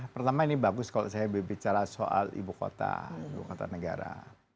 pertama ini bagus kalau saya bicara soal ibu kota ibu kota negara